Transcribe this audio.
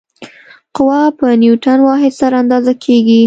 قوه په نیوټن واحد سره اندازه کېږي.